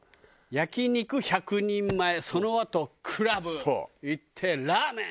焼き肉１００人前そのあとクラブ行ってラーメン。